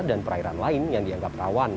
dan perairan lain yang dianggap rawat